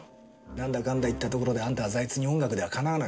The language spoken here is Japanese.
なんだかんだ言ったところであんたは財津に音楽ではかなわなかった。